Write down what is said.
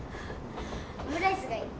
オムライスがいい。